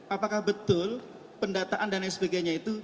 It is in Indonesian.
apakah betul pendataan dan lain sebagainya itu